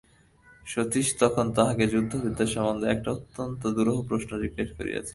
সতীশ তখন তাহাকে যুদ্ধবিদ্যা সম্বন্ধে একটা অত্যন্ত দুরূহ প্রশ্ন জিজ্ঞাসা করিয়াছিল।